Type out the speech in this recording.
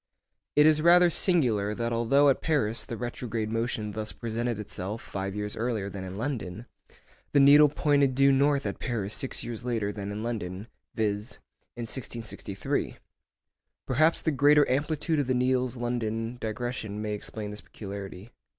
It is rather singular that although at Paris the retrograde motion thus presented itself five years earlier than in London, the needle pointed due north at Paris six years later than in London, viz., in 1663. Perhaps the greater amplitude of the needle's London digression may explain this peculiarity.